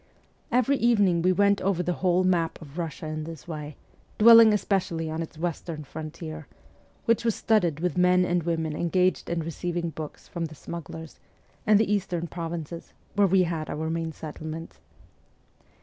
Every evening we went over the whole map of Russia in this way, dwelling especially on its western frontier, which was studded with men and women engaged in receiving books from the smugglers, and the eastern provinces, where we had our main settlements.